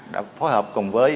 đã phối hợp cùng với